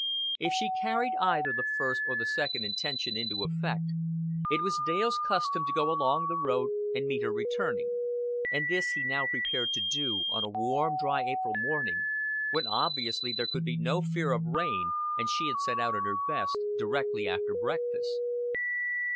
If she carried either the first or the second intention into effect, it was Dale's custom to go along the road and meet her returning. And this he now prepared to do, on a warm dry April morning, when obviously there could be no fear of rain and she had set out in her best directly after breakfast.